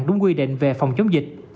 đúng quy định về phòng chống dịch